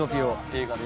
「映画で」